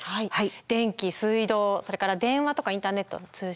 電気・水道それから電話とかインターネットの通信。